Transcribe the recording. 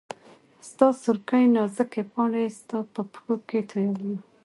ستا سورکۍ نازکي پاڼي ستا په پښو کي تویومه